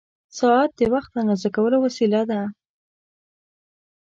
ساعت د وخت اندازه کولو وسیله ده.